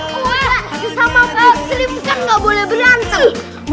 bisa sama seribu kan gak boleh berantem